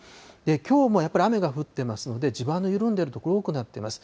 きょうもやっぱり雨が降ってますので、地盤の緩んでる所、多くなってます。